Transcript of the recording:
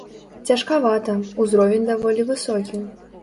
Цяжкавата, узровень даволі высокі.